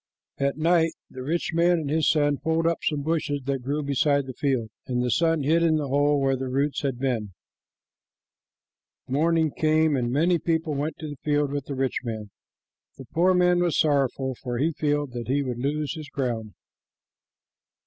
At night the rich man and his son pulled up some bushes that grew beside the field, and the son hid in the hole where their roots had been. Morning came, and many people went to the field with the rich man. The poor man was sorrowful, for he feared that he would lose his ground.